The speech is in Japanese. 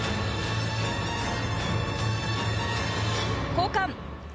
交換。